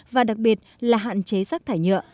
và đặc biệt là hạn chế sắc thải nhựa